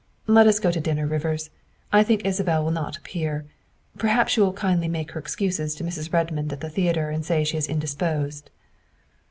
Let us go to dinner, Rivers ; I think Isabel will not appear. Perhaps you will kindly make her excuses to Mrs. Redmond at the theatre and say she is indisposed."